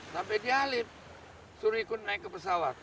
sampai di halim suri kun naik ke pesawat